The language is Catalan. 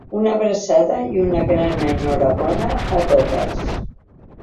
Una abraçada i una gran enhorabona a totes!